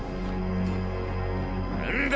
何だ！